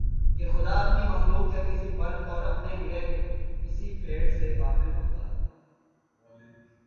کہ خدا اپنی مخلوق کے کسی فرد اور اپنے گلے کی کسی بھیڑ سے غافل ہوتا ہے